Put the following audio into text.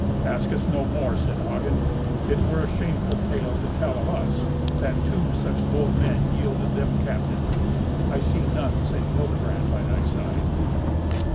"Ask us no more," said Hagen. "It were a shameful tale to tell of us, that two such bold men yielded them captive. I see none save Hildebrand by thy side."